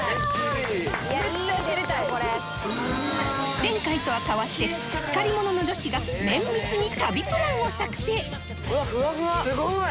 前回とは変わってしっかり者の女子が綿密に旅プランを作成